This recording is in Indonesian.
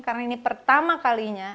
karena ini pertama kalinya